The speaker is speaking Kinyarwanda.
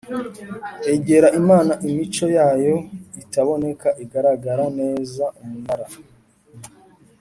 Egera Imana Imico yayo itaboneka igaragara neza Umunara